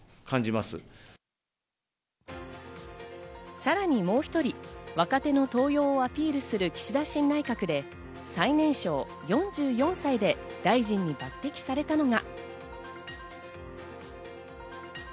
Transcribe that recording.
さらにもう１人、若手の登用をアピールする岸田新内閣で最年少４４歳で大臣に抜擢されたのが。